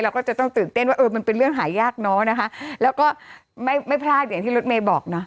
เราก็จะต้องตื่นเต้นว่าเออมันเป็นเรื่องหายากเนอะนะคะแล้วก็ไม่ไม่พลาดอย่างที่รถเมย์บอกเนาะ